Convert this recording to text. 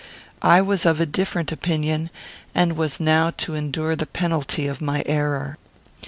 I was of a different opinion, and was now to endure the penalty of my error.